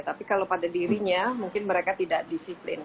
tapi kalau pada dirinya mungkin mereka tidak disiplin